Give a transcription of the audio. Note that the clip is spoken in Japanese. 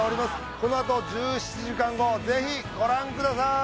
このあと１７時間後ぜひご覧ください！